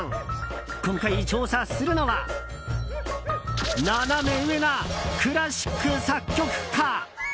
今回、調査するのはナナメ上なクラシック作曲家！